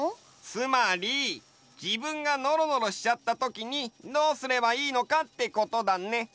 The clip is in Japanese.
つまり自分がのろのろしちゃったときにどうすればいいのかってことだね。